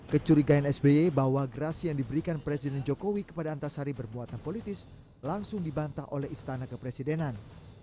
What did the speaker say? kecurigaan sby bahwa gerasi yang diberikan presiden jokowi kepada antasari bermuatan politis langsung dibantah oleh istana kepresidenan